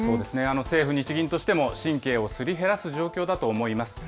政府・日銀としても神経をすり減らす状況だと思います。